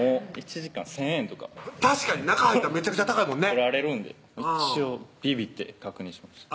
１時間１０００円とか確かに中入ったらめちゃくちゃ高いもんね一応びびって確認しました